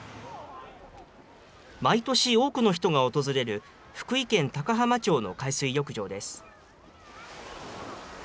毎年多くの人が訪れる福井県高浜町の海水浴場です。